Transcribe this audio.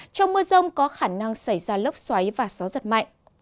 trong mưa rông có khả năng xảy ra lốc xoáy và gió giật mạnh